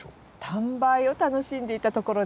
探梅を楽しんでいたところです。